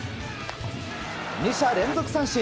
２者連続三振！